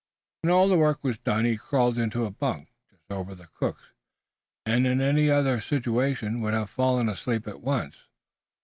When all the work was done he crawled into a bunk just over the cook's and in any other situation would have fallen asleep at once.